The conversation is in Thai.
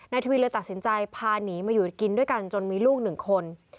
ทวีเลยตัดสินใจพาหนีมาอยู่กินด้วยกันจนมีลูกหนึ่งคน